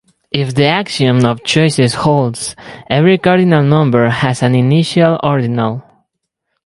If the axiom of choice holds, every cardinal number has an initial ordinal.